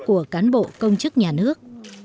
của cán bộ công chức nhà nước